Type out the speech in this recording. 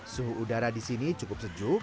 suhu udara di sini cukup sejuk